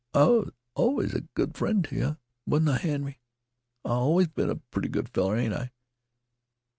"I was allus a good friend t' yeh, wa'n't I, Henry? I 've allus been a pretty good feller, ain't I?